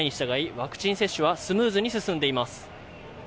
ワクチン接種はスムーズに進んでいます。